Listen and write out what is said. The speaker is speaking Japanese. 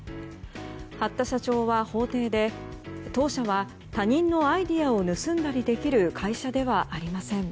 八田社長は法廷で当社は他人のアイデアを盗んだりできる会社ではありません。